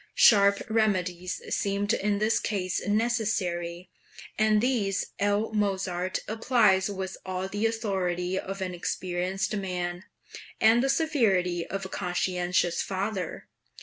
Sharp remedies seemed in this case necessary, and these L. Mozart applies with all the authority of an experienced man, and the severity of a conscientious father.